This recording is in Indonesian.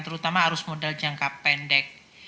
terutama arus modal jangka pendek